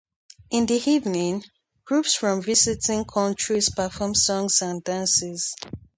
In the evening, groups from visiting countries perform songs and dances.